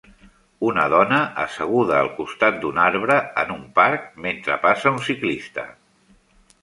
una dona asseguda al costat d'un arbre en un parc mentre passa un ciclista